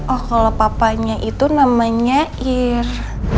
oh kalau papanya itu namanya ir